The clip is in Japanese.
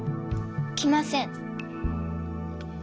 来ません。